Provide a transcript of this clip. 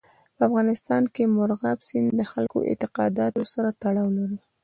په افغانستان کې مورغاب سیند د خلکو د اعتقاداتو سره تړاو لري.